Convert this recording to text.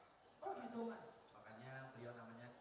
oh gitu mas